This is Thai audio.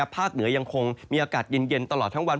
เหนือยังคงมีอากาศเย็นตลอดทั้งวัน